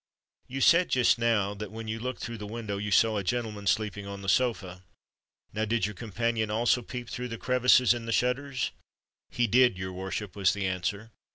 "You said just now that when you looked through the window, you saw a gentleman sleeping on the sofa? Now, did your companion also peep through the crevices in the shutters?" "He did, your worship," was the answer.